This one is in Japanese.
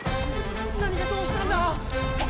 何がどうしたんだ？